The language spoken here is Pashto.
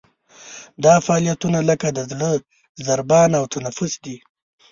دا فعالیتونه لکه د زړه ضربان او تنفس دي.